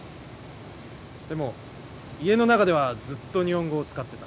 でも家の中ではずっと日本語を使ってた。